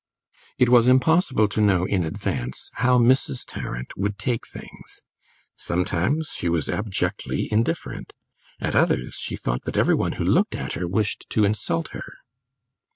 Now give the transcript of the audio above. It was impossible to know in advance how Mrs. Tarrant would take things. Sometimes she was abjectly indifferent; at others she thought that every one who looked at her wished to insult her.